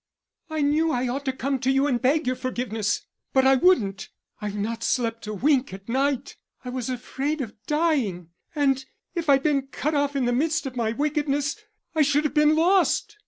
"I knew I ought to come to you and beg your forgiveness, but I wouldn't. I've not slept a wink at night. I was afraid of dying, and if I'd been cut off in the midst of my wickedness, I should have been lost."